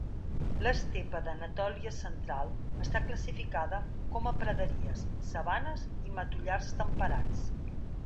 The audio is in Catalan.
L'estepa d'Anatòlia Central està classificada com a praderies, sabanes i matollars temperats.